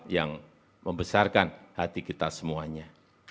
yang membesarkan hati kita semuanya